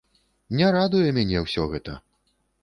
Не радуе мяне ўсё гэта!